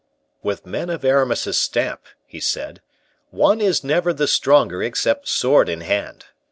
"With men of Aramis's stamp," he said, "one is never the stronger except sword in hand.